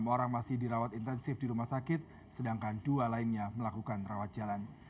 enam orang masih dirawat intensif di rumah sakit sedangkan dua lainnya melakukan rawat jalan